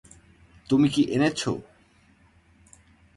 তুমি কী এনেছো?